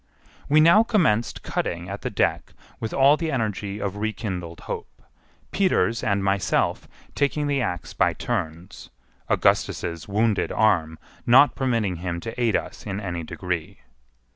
We now commenced cutting at the deck with all the energy of rekindled hope, Peters and myself taking the axe by turns, Augustus's wounded arm not permitting him to aid us in any degree.